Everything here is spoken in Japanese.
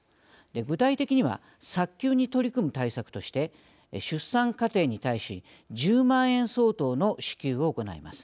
具体的には早急に取り組む対策として出産家庭に対し１０万円相当の支給を行います。